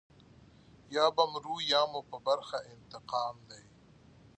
یا به مرو یا مو په برخه انتقام دی.